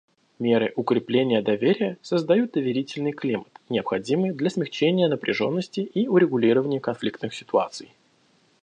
Меры укрепления доверия создают доверительный климат, необходимый для смягчения напряженности и урегулирования конфликтных ситуаций.